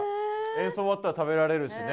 演奏終わったら食べられるしね。